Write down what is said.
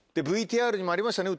でＶＴＲにもありましたね